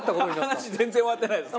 話全然終わってないです。